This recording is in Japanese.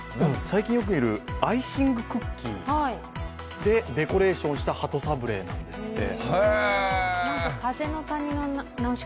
最近よく見るアイシングクッキーでデコレーションした鳩サブレーなんですって。